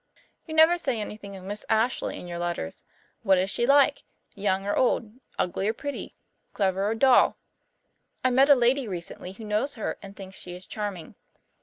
"You never say anything of Miss Ashley in your letters. What is she like young or old, ugly or pretty, clever or dull? I met a lady recently who knows her and thinks she is charming.